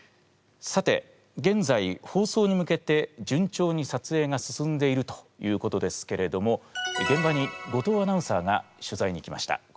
さて現在放送に向けて順調にさつえいが進んでいるということですけれども現場に後藤アナウンサーが取材に行きました。